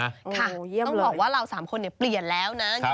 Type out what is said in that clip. ต้องบอกว่าเรา๓คนเปลี่ยนแล้วนะ